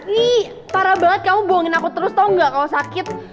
iiih parah banget kamu boongin aku terus tau gak kalo sakit